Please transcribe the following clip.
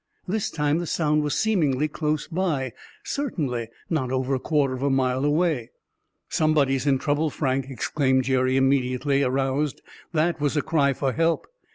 This time the sound was seemingly close by, certainly not over a quarter of a mile away. "Somebody's in trouble, Frank!" exclaimed Jerry, immediately aroused. "That was a cry for help!"